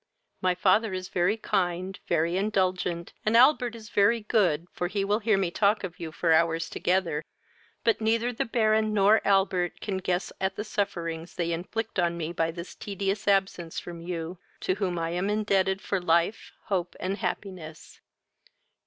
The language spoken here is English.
My father is very kind, very indulgent, and Albert very good, for he will hear me talk of you for hours together; but neither the Baron nor Albert can guess at the sufferings they inflict on me by this tedious absence from you, to whom I am indebted for life, hope, and happiness.